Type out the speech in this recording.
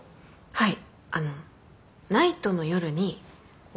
はい。